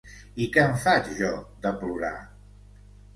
I què en faig jo de plorar?